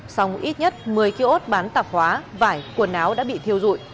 sau một ít nhất một mươi kiểu ốt bán tạp hóa vải quần áo đã bị thiêu rụi